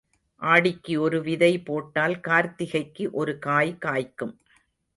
ஆடிக்கு ஒரு விதை போட்டால் கார்த்திகைக்கு ஒரு காய் காய்க்கும்.